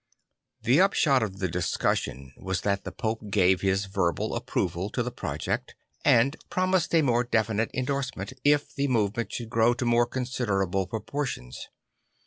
The upshot of the discussion was that the Pope gave his verbal approval to the project and promised a more definite endorsement, if the movement should grow to more considerable proportions.